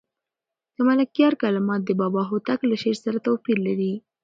د ملکیار کلمات د بابا هوتک له شعر سره توپیر لري.